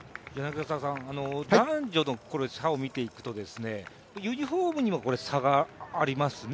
男女の差を見ていくとユニフォームにも差がありますよね。